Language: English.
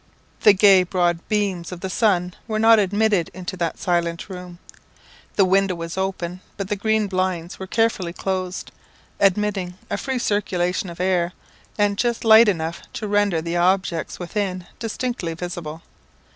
The gay broad beams of the sun were not admitted into that silent room. The window was open, but the green blinds were carefully closed, admitting a free circulation of air, and just light enough to render the objects within distinctly visible.